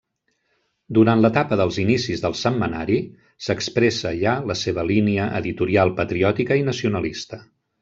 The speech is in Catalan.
Durant l'etapa dels inicis del setmanari, s'expressa ja la seva línia editorial patriòtica i nacionalista.